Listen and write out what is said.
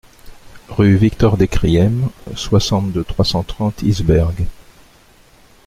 Rue Victor Decriem, soixante-deux, trois cent trente Isbergues